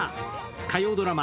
火曜ドラマ